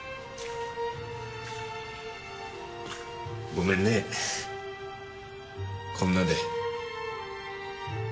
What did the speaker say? ごめんねこんなで。